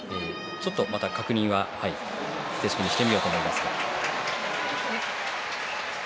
ちょっとまた確認はしてみようと思いますが。